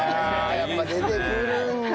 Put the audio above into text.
やっぱり出てくるんだ。